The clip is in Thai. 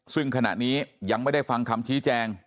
ซึ่งขณะนี้ยังไม่ได้ฟังคำชี้แจง